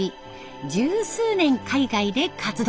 十数年海外で活動。